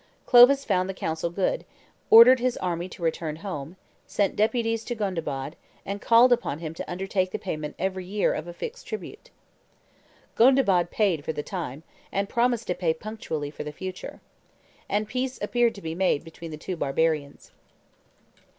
Clovis found the counsel good, ordered his army to return home, sent deputies to Gondebaud, and called upon him to undertake the payment every year of a fixed tribute. Gondebaud paid for the time, and promised to pay punctually for the future. And peace appeared made between the two barbarians.